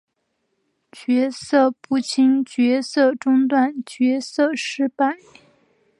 角色不清角色中断角色失败